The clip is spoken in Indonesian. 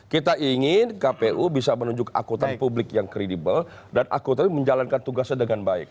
kita ingin kpu bisa menunjuk akutan publik yang kredibel dan akuntabilitas menjalankan tugasnya dengan baik